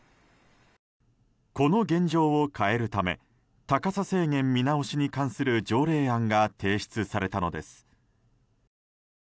この現状を変えるため高さ制限見直しに関する条例案が提出されたのです。